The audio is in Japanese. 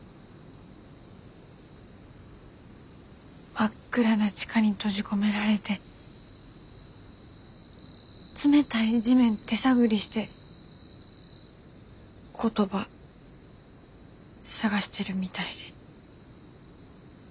真っ暗な地下に閉じ込められて冷たい地面手探りして言葉探してるみたいで。